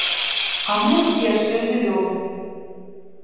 А мы тут яшчэ жывём.